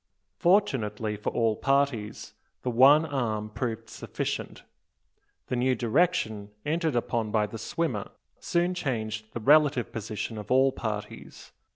Fortunately for all parties, the one arm proved sufficient. The new direction entered upon by the swimmer soon changed the relative position of all parties.